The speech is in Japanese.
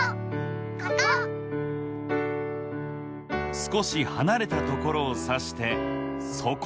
すこしはなれたところをさしてそこ！